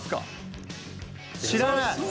知らない？